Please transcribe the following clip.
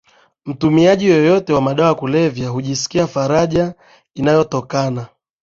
Mtumiaji yeyote wa madawa ya kulevya hujisikia faraja inayotokana